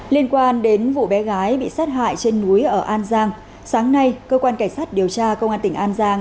liên quan đến vụ bé gái bị sát hại trên núi ở an giang sáng nay cơ quan cảnh sát điều tra công an tỉnh an giang